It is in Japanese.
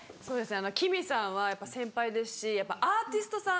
ＫＩＭＩさんは先輩ですしアーティストさん